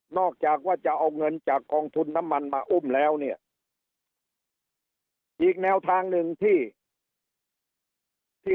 อกจากว่าจะเอาเงินจากกองทุนน้ำมันมาอุ้มแล้วเนี่ยอีกแนวทางหนึ่งที่ที่